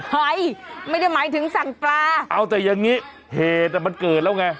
ไม่ได้หมายถึงสั่งปลาเอาแต่อย่างนี้เหตุอ่ะมันเกิดแล้วไง